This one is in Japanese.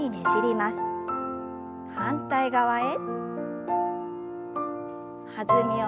反対側へ。